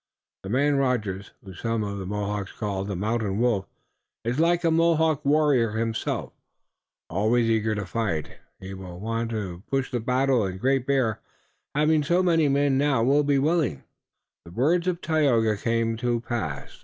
The man Rogers, whom some of the Mohawks call the Mountain Wolf, is like a Mohawk warrior himself, always eager to fight. He will want to push the battle and Great Bear, having so many men now, will be willing." The words of Tayoga came to pass.